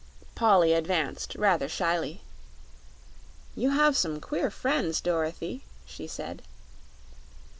Polly advanced rather shyly. "You have some queer friends, Dorothy," she said.